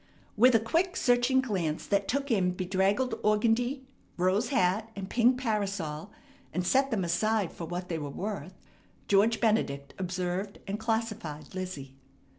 With a quick, searching glance that took in bedraggled organdie, rose hat, and pink parasol, and set them aside for what they were worth, George Benedict observed and classified Lizzie.